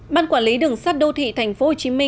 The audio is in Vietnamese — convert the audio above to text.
ban quản lý đường sắt đô thị tp hcm